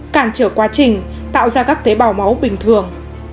cản trở quá trình tạo ra các tế bào máu bình thường